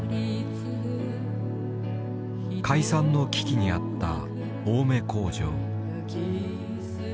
解散の危機にあった青梅工場。